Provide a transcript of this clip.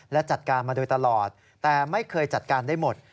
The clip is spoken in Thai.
และจัดการมาโดยตลอดแต่ไม่เคยจัดการได้หมด